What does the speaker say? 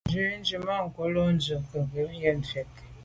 Nzwi tswemanko’ lo’ ndu i nke ngo’ ngefet yi.